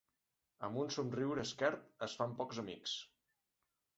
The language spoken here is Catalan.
Amb un somriure esquerp es fan pocs amics.